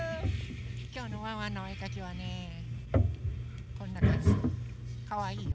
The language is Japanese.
きょうのワンワンのおえかきはねこんなかんじかわいいよ。